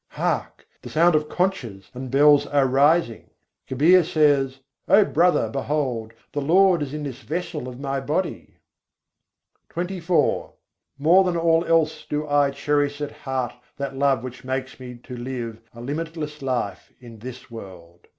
Hark! the sounds of conches and bells are rising. Kabîr says: "O brother, behold! the Lord is in this vessel of my body." XXIV II. 48. jis se rahani apâr jagat men More than all else do I cherish at heart that love which makes me to live a limitless life in this world.